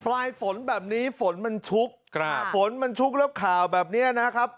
ปลายฝนแบบนี้ฝนมันชุกฝนมันชุกแล้วข่าวแบบนี้นะครับ